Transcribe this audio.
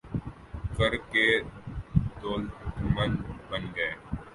کر کے دولتمند بن گئے